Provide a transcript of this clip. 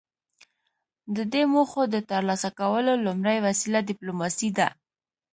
د دې موخو د ترلاسه کولو لومړۍ وسیله ډیپلوماسي ده